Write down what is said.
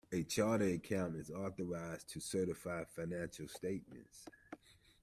A chartered accountant is authorised to certify financial statements